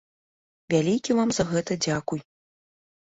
Вялікі вам за гэта дзякуй!